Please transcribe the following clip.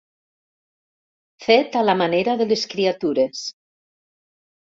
Fet a la manera de les criatures.